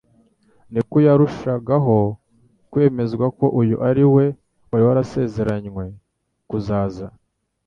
niko yarushagaho kwemezwa ko uyu ari we wari warasezeranywe kuzaza